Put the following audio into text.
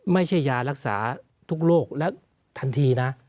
ไม่ใช่ยารักษาทุกโรคแล้วทันทีนะ